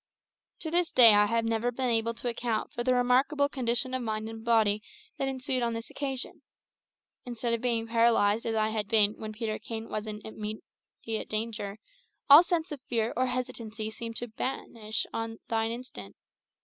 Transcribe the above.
To this day I have never been able to account for the remarkable condition of mind and body that ensued on this occasion. Instead of being paralysed as I had been when Peterkin was in imminent danger, all sensation of fear or hesitancy seemed to vanish on thine instant.